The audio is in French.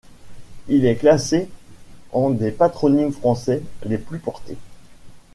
Il est classé en des patronymes français les plus portés.